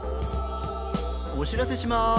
おしらせします。